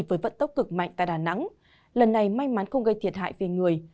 với vận tốc cực mạnh tại đà nẵng lần này may mắn không gây thiệt hại về người